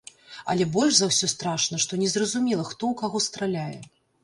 Але больш за ўсё страшна, што незразумела, хто ў каго страляе.